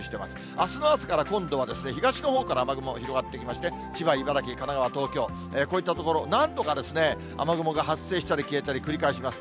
あすの朝から今度は東のほうから雨雲、広がってきまして、千葉、茨城、神奈川、東京、こういった所、何度か雨雲が発生したり、消えたり繰り返します。